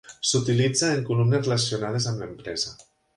S'utilitza en columnes relacionades amb l'empresa.